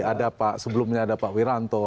ada pak sebelumnya ada pak wiranto